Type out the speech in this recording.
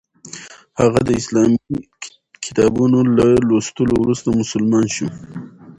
هغه د اسلامي کتابونو له لوستلو وروسته مسلمان شو.